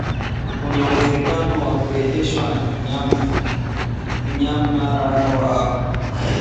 kuna uwezekano wa kurejeshwa Myanmar wakati wowote